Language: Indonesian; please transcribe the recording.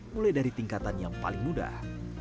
mulai dari tingkatan yang paling mudah